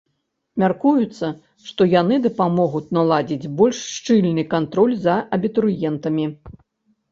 Мяркуецца, што яны дапамогуць наладзіць больш шчыльны кантроль за абітурыентамі.